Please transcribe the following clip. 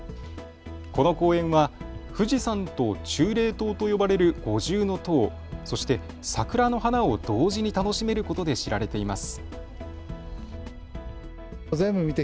この公園は富士山と忠霊塔と呼ばれる五重の塔、そして桜の花を同時に楽しめることで知られています。